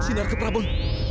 sinar ke prabon